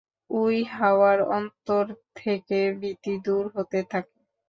ইউহাওয়ার অন্তর থেকে ভীতি দূর হতে থাকে।